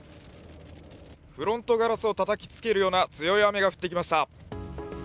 フロントガラスをたたきつけるような強い雨が降ってきました。